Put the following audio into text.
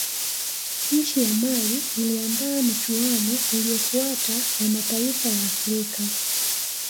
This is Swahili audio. nchi ya mali iliandaa michuano iliyofuata ya mataifa ya afrika